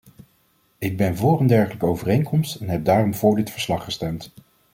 Ik ben voor een dergelijke overeenkomst en heb daarom voor dit verslag gestemd.